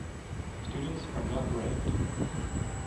Students are not ranked.